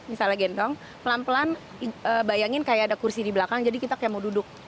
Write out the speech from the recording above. misalnya gendong pelan pelan bayangin kayak ada kursi di belakang jadi kita kayak mau duduk